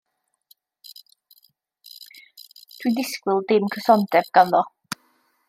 Dwi'n disgwyl dim cysondeb ganddo.